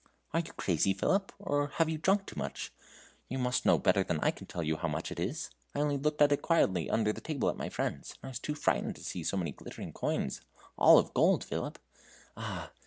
"Are you crazy, Philip, or have you drunk too much? You must know better than I can tell you how much it is. I only looked at it quietly under the table at my friend's, and was frightened to see so many glittering coins, all of gold, Philip. Ah!